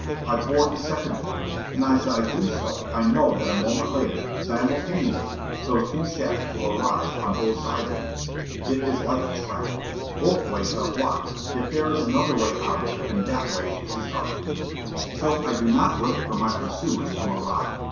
I board the second blind, and as I do so I know that a moment later, simultaneously, those two shacks will arrive on both sides of me. It is like a trap. Both ways are blocked. Yet there is another way out, and that way is up. So I do not wait for my pursuers to arrive.